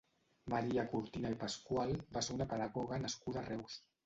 Maria Cortina i Pascual va ser una pedagoga nascuda a Reus.